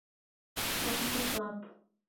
Kwa wundu ghwapo